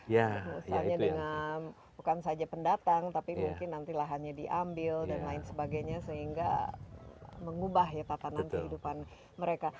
misalnya dengan bukan saja pendatang tapi mungkin nanti lahannya diambil dan lain sebagainya sehingga mengubah ya tatanan kehidupan mereka